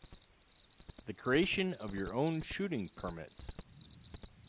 The creation of your own shooting permits.